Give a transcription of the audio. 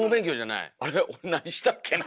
あれ何したっけな？